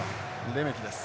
レメキです。